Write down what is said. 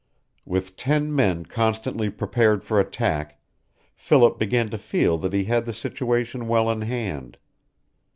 With ten men constantly prepared for attack, Philip began to feel that he had the situation well in hand.